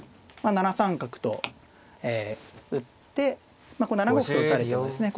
７三角と打って７五歩と打たれてもですね